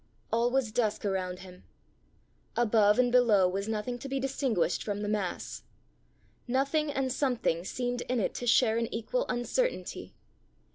All was dusk around him. Above and below was nothing to be distinguished from the mass; nothing and something seemed in it to share an equal uncertainty.